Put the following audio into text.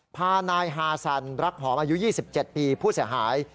พานายฮาซันรักหอมอายุ๒๗ปีผู้เสียหาย